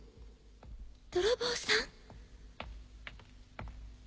泥棒さん？